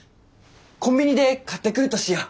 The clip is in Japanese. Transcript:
こんびにで買ってくるとしよう。